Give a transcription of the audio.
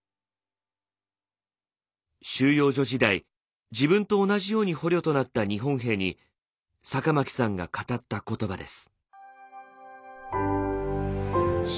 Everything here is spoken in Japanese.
収容所時代自分と同じように捕虜となった日本兵に酒巻さんが語った言葉です。